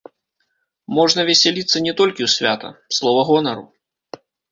Можна весяліцца не толькі ў свята, слова гонару.